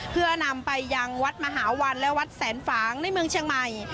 เพื่อนำไปยังวัดมหาวันและวัดแสนฝางในเมืองเชียงใหม่